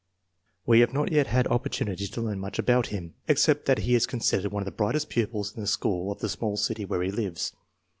We have not yet had oppor 244 INTELLIGENCE OF SCHOOL CHILDREN tunity to learn much about him, except that he is con sidered one of the brightest pupils in the school of the small city where he lives.